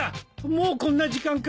もうこんな時間か！